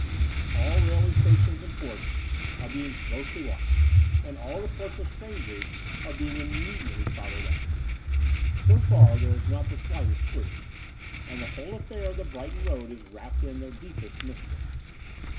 All railway stations and ports are being closely The Brighton Road 17 watched: and all reports of strangers are being immediately followed up. So far there is not the slightest clue: and the whole aflFair of the Brighton Road is wrapt in the deepest mystery.